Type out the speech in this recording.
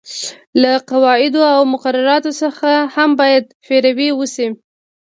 له قواعدو او مقرراتو څخه هم باید پیروي وشي.